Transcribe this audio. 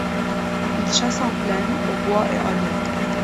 Il chasse en plaine, au bois et à l’eau.